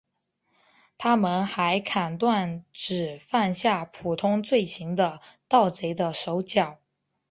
他们还砍断只犯下普通罪行的盗贼的手脚。